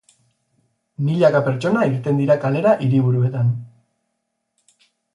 Milaka pertsona irten dira kalera hiriburuetan.